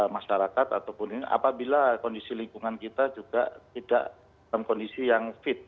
mas darakat ataupun apabila kondisi lingkungan kita juga tidak dalam kondisi yang fit